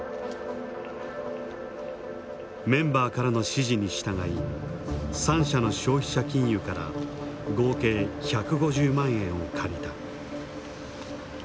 メンバーからの指示に従い３社の消費者金融から合計１５０万円を借りた。